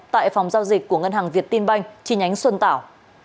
tại phòng giao dịch của ngân hàng việt tin banh chi nhánh xuân tảo